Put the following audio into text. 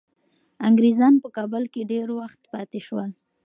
انګریزان په کابل کي ډیر وخت پاتې شول.